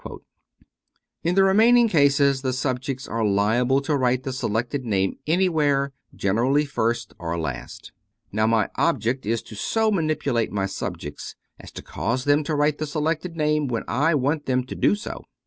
In the remaining cases the sub jects are liable to write the selected name anywhere, gen erally first or last. Now my object is to so manipulate my subjects as to cause them to write the selected name when I want them to do so.